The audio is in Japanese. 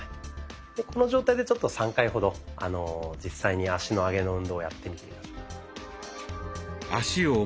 でこの状態でちょっと３回ほど実際に脚の上げの運動をやってみて下さい。